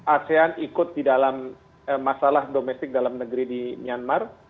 asean ikut di dalam masalah domestik dalam negeri di myanmar